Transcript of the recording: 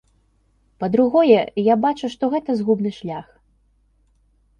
Па-другое, я бачу, што гэта згубны шлях.